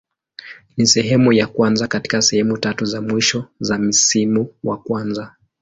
Ni sehemu ya kwanza katika sehemu tatu za mwisho za msimu wa kwanza.